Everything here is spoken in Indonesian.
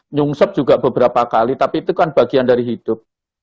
nyungsep juga beberapa kali tapi itukan bagian dari hidup